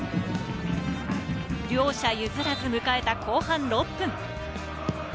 両者譲らず迎えた後半６分。